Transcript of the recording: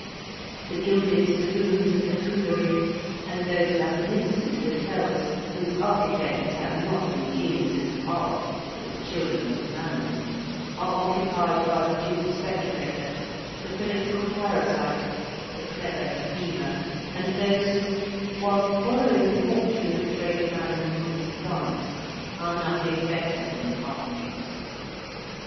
The gilded saloons of the Tuileries, and those magnificent hotels whose architects have not been geniuses of art, but the children of Mammon, are occupied by the Jew speculator, the political parasite, the clever schemer, and those who whilst following the fortune of the great man who rules France are nothing better than harpies.